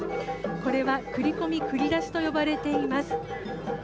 これは繰りこみ・繰り出しと呼ばれています。